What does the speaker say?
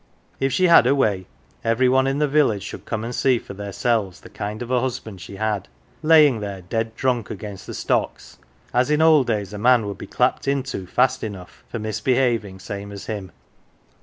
If she had her way every one in the village should come and see for theirselves the kind of a husband she had laying there dead drunk against the stocks, as in old days a man would be clapped into fast enough for mis behaving same as him.